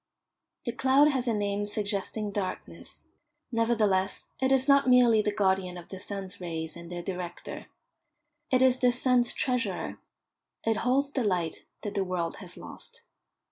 The cloud has a name suggesting darkness; nevertheless, it is not merely the guardian of the sun's rays and their director. It is the sun's treasurer; it holds the light that the world has lost.